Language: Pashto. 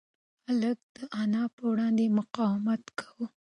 هلک د انا په وړاندې مقاومت کاوه.